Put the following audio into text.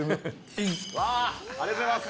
ありがとうございます。